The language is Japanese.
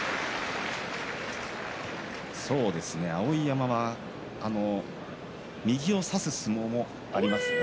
碧山は右を差す相撲もありますね。